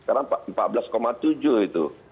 sekarang empat belas tujuh itu